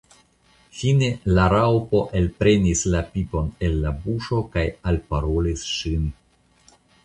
Fine la Raŭpo elprenis la pipon el la buŝo kaj alparolis ŝin.